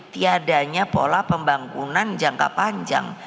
tiadanya pola pembangunan jangka panjang